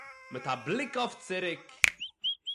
מיט אַ בליק אויף צוריק